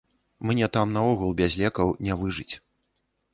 Мне там наогул без лекаў не выжыць.